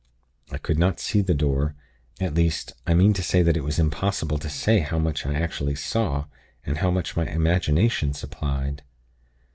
I could not see the door; at least, I mean to say that it was impossible to say how much I actually saw, and how much my imagination supplied.